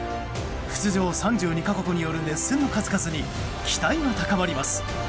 出場３２か国による熱戦の数々に期待が高まります。